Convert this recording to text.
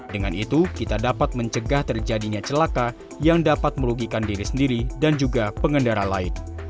dengan itu kita dapat mencegah terjadinya celaka yang dapat merugikan diri sendiri dan juga pengendara lain